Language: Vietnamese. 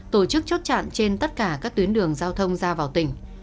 tổ chức chốt chặn trên tất cả các tuyến đường giao thông ra vào tỉnh